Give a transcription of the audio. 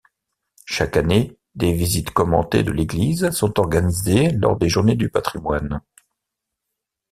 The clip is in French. Chaque année, des visites commentées de l'église sont organisées lors des Journées du Patrimoine.